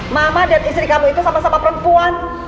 mama dan istri kamu itu sama sama perempuan